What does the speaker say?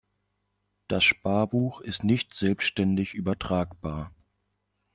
Das Sparbuch ist nicht selbständig übertragbar.